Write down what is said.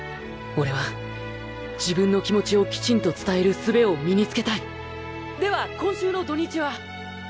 俺は自分の気持ちをきちんと伝える術を身につけたいでは今週の土日は。